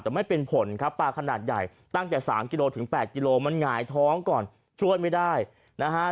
แต่ไม่เป็นผลครับปลาขนาดใหญ่ตั้งแต่๓กิโลถึง๘กิโลมันหงายท้องก่อนช่วยไม่ได้นะฮะ